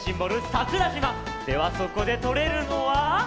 桜島！ではそこでとれるのは。